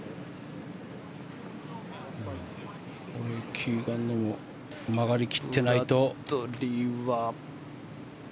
キーガンも曲がり切っていないと。